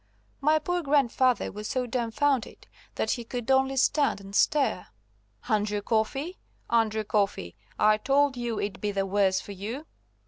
My poor grandfather was so dumfounded that he could only stand and stare. "Andrew Coffey! Andrew Coffey! I told you it'd be the worse for you."